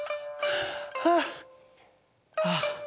あっああ。